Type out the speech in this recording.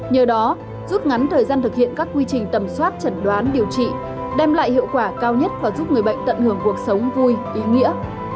nhờ đó rút ngắn thời gian thực hiện các quy trình tầm soát chẩn đoán điều trị đem lại hiệu quả cao nhất và giúp người bệnh tận hưởng cuộc sống vui ý nghĩa